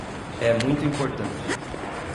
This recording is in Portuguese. É muito importante.